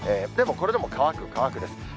でもこれでも乾く、乾くです。